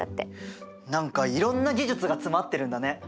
何かいろんな技術が詰まってるんだね。